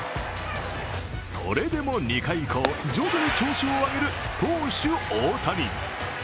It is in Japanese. それでも２回以降、徐々に調子を上げる投手・大谷。